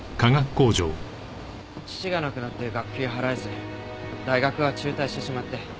父が亡くなって学費が払えず大学は中退してしまって。